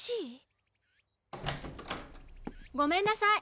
ごめんなさい